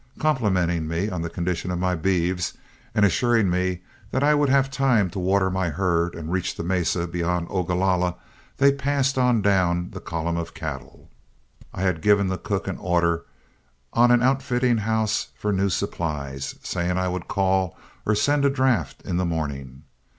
Complimenting me on the condition of my beeves, and assuring me that I would have time to water my herd and reach the mesa beyond Ogalalla, they passed on down the column of cattle. I had given the cook an order on an outfitting house for new supplies, saying I would call or send a draft in the morning.